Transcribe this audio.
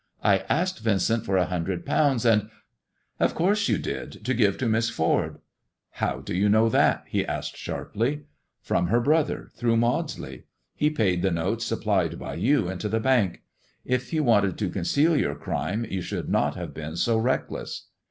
I asked Yincent for a hundred pounds, and "" Of course you did, to give to Miss Ford." " How do you know that ]" he asked sharply. *^ From her brother, through Maudsley. He paid the notes supplied by you into the bank. If you wanted to conceal your crime you should not have been so reckless."